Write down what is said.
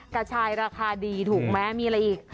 กระชายราคาดีถูกไหมมีอะไรอีก